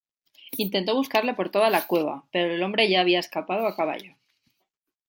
Intentó buscarle por toda la cueva, pero el hombre ya había escapado a caballo.